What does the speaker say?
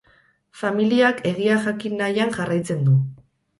Familiak egia jakin nahian jarraitzen du.